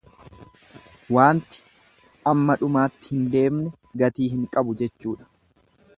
Waanti amma dhumaatti hin deemne gatii hin qabu jechuudha.